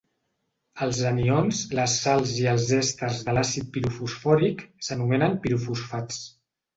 Els anions, les sals i els èsters de l'àcid pirofosfòric s'anomenen pirofosfats.